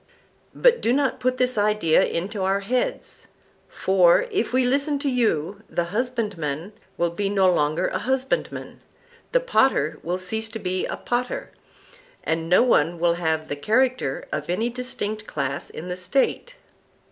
But do not put this idea into our heads; for, if we listen to you, the husbandman will be no longer a husbandman, the potter will cease to be a potter, and no one will have the character of any distinct class in the State.